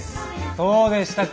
どうでしたか？